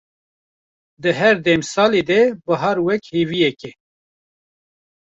di her demsalê de bihar wek hêviyeke